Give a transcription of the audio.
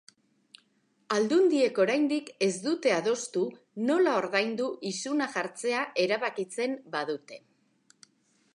Aldundiek oraindik ez dute adostu nola ordaindu isuna jartzea erabakitzen badute.